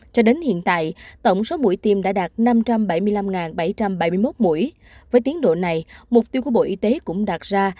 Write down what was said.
cho đến hiện tại tổng số mũi tiêm đã đạt năm trăm bảy mươi năm bảy trăm bảy mươi một mũi với tiến độ này mục tiêu của bộ y tế cũng đạt ra